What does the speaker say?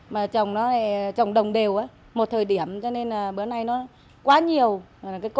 mà trồng đồng đều một thời điểm cho nên bữa nay nó quá nhiều cung nó vượt cầu